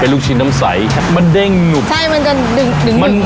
เป็นลูกชิ้นน้ำใสเป็นลูกชิ้นน้ำใสมันเด้งหยุดใช่มันจะดึงดึงใช่ไหม